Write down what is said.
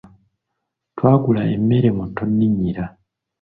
Twagula emmere mu tonninnyira.